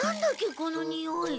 このにおい。